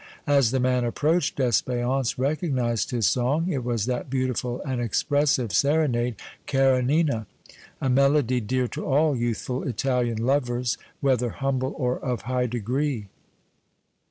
As the man approached Espérance recognized his song it was that beautiful and expressive serenade, "Cara Nina," a melody dear to all youthful Italian lovers whether humble or of high degree.